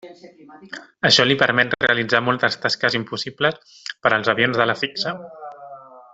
Això li permet realitzar moltes tasques impossibles per als avions d'ala fixa.